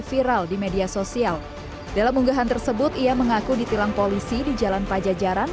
viral di media sosial dalam unggahan tersebut ia mengaku ditilang polisi di jalan pajajaran